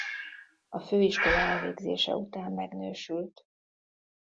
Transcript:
A főiskola elvégzése után megnősült.